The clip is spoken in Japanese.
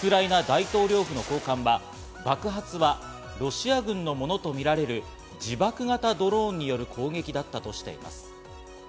大統領府の高官は爆発はロシア軍のものとみられる自爆型ドローンによる攻撃だったとしています。